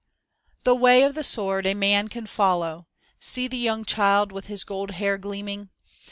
The way of the sword a man can follow, See the young child with his gold hair gleaming.